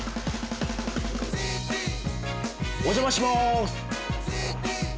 お邪魔します。